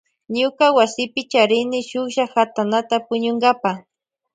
Ñuka wasipi charini shuklla katanata puñunkapa.